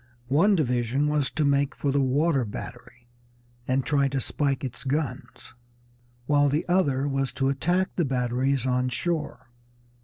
One division was to make for the water battery and try to spike its guns, while the other was to attack the batteries on shore.